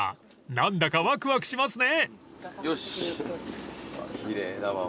［何だかワクワクしますね］